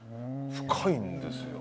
深いんですよ。